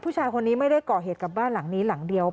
ผู้ชายคนนี้ไม่ได้ก่อเหตุกับบ้านหลังนี้หลังเดียว